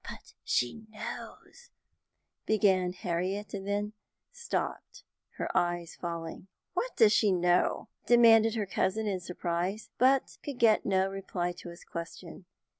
"But she knows " began Harriet, and then stopped, her eyes falling. "What does she know?" demanded her cousin in surprise; but could get no reply to his question.